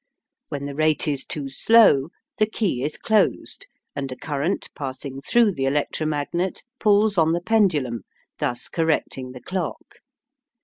When the rate is too slow the key is closed, and a current passing through the electromagnet pulls on the pendulum, thus correcting the clock.